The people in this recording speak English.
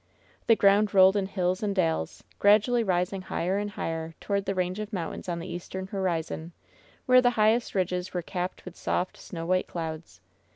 The ground rolled in hills and dales, gradually rising higher and higher toward the range of mountains on the eastern horizon, where the highest ridges were capped with soft, snow white clouds.